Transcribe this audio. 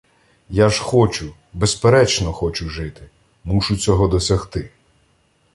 Я ж хочу, безперечно, хочу жити! Мушу цього досягти!